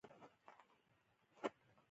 د افغانستان په منظره کې ګاز ښکاره ده.